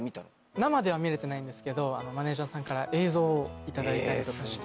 生では見れてないんですけどマネジャーさんから映像を頂いたりとかして。